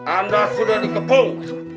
anda sudah dikepung